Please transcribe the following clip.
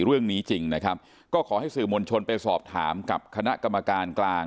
เรื่องนี้จริงนะครับก็ขอให้สื่อมวลชนไปสอบถามกับคณะกรรมการกลาง